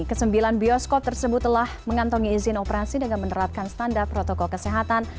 kesembilan bioskop tersebut telah mengantongi izin operasi dengan menerapkan standar protokol kesehatan